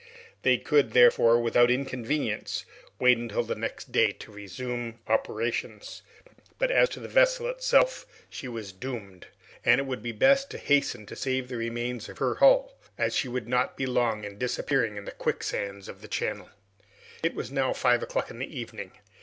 They could, therefore, without inconvenience, wait until the next day to resume operations; but, as to the vessel itself, she was doomed, and it would be best to hasten to save the remains of her hull, as she would not be long in disappearing in the quicksands of the channel. It was now five o'clock in the evening.